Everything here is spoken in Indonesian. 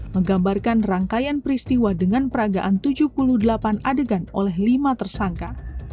menggambarkan rangkaian peristiwa dengan peragaan tujuh puluh delapan adegan oleh lima tersangka